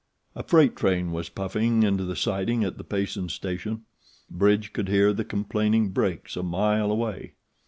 A freight train was puffing into the siding at the Payson station. Bridge could hear the complaining brakes a mile away.